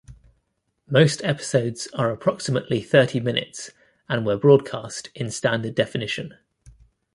Most episodes are approximately thirty minutes, and were broadcast in standard definition.